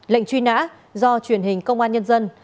lệnh truy nã do truyền hình công an nhân dân